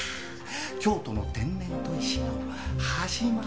京都の天然砥石の始まり始まり。